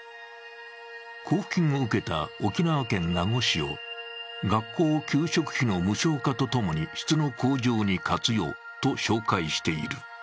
交付金を受けた沖縄県名護市を学校給食費の無償化とともに質の向上に活用と紹介している。